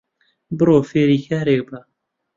بڕۆ فێری کارێک بە